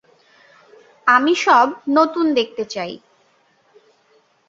আমি সব নূতন দেখতে চাই।